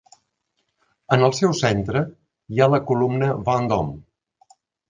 En el seu centre, hi ha la columna Vendôme.